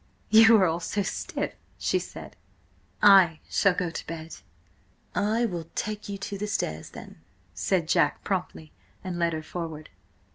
"You are all so stiff!" she said "I shall go to bed!" "I will take you to the stairs then," said Jack promptly, and led her forward.